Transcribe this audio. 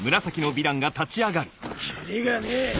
チッキリがねえ。